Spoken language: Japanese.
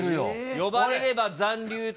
呼ばれれば残留と。